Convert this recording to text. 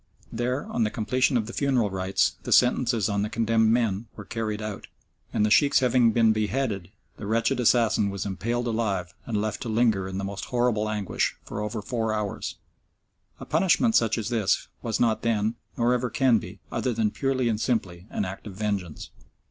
There, on the completion of the funeral rites, the sentences on the condemned men were carried out, and the Sheikhs having been beheaded the wretched assassin was impaled alive and left to linger in the most horrible anguish for over four hours. A punishment such as this was not then, nor ever can be, other than purely and simply an act of vengeance.